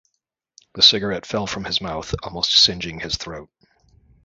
The cigarette fell from his mouth almost singeing his throat.